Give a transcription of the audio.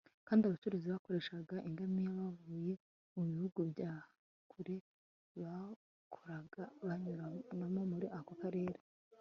kandi abacuruzi bakoreshaga ingamiya bavuye mu bihugu bya kure bahoraga banyuranamo muri ako karere